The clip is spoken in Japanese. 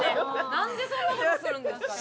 なんでそんな事するんですかね。